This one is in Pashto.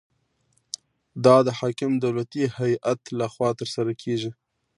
دا د حاکم دولتي هیئت لخوا ترسره کیږي.